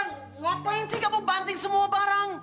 ngapain sih kamu banting semua barang